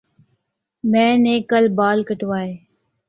میں نے کل بال کٹوائے